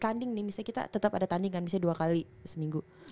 tanding nih misalnya kita tetep ada tanding kan misalnya dua kali seminggu